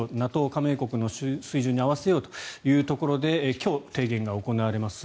加盟国の水準に合わせようということで今日、提言が行われます。